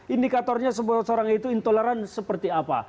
indikatornya seseorang itu intoleran seperti apa